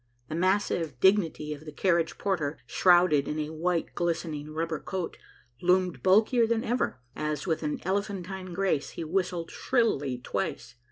The massive dignity of the carriage porter, shrouded in a white glistening rubber coat, loomed bulkier than ever, as, with an elephantine grace, he whistled shrilly twice.